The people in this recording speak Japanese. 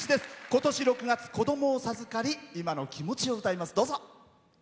今年６月、子供を授かり今の気持ちを歌います。